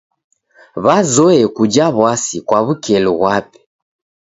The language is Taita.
Wazoye kuja w'asi kwa w'ukelu ghwape.